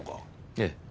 ええ。